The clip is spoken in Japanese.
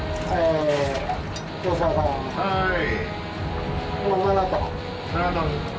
はい。